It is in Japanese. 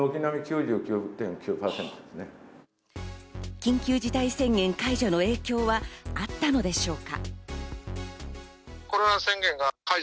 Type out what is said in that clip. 緊急事態宣言解除の影響はあったのでしょうか。